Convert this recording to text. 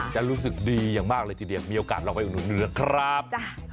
จะรู้สึกดีอย่างมากเลยทีเดียวมีโอกาสลองไปอุดหนุนนะครับ